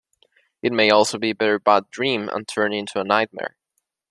It may also be a very bad dream and turn into a nightmare.